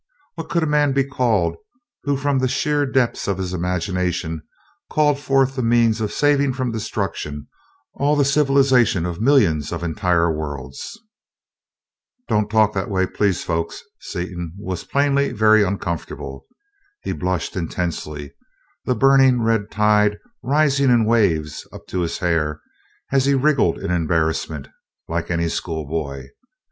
"What could a man be called who from the sheer depths of his imagination called forth the means of saving from destruction all the civilization of millions of entire worlds?" "Don't talk that way, please, folks," Seaton was plainly very uncomfortable. He blushed intensely, the burning red tide rising in waves up to his hair as he wriggled in embarrassment, like any schoolboy.